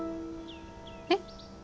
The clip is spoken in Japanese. えっ？